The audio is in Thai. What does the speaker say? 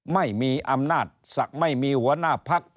ไม่มีอำนาจไม่มีหัวหน้าภักดิ์